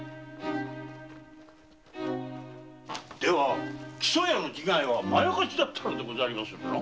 では木曽屋の自害はまやかしだったのですな。